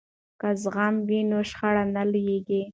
که زغم وي نو شخړه نه لویږي.